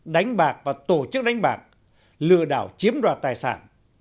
đánh bạc và tổ chức đánh bạc lừa đảo chiếm đoạt tài sản